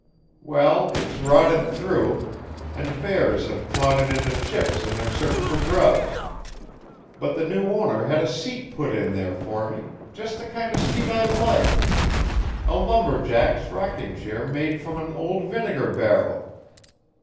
Well, it's rotted through, and bears have clawed it into chips in their search for grubs, but the new owner had a seat put in there for me just the kind of seat I like a lumberjack's rocking chair made from an old vinegar barrel.